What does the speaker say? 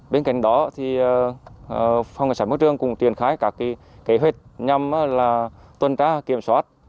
bên cạnh đó phòng cảnh sát môi trường cũng triển khai các kế hoạch nhằm tuân trá kiểm soát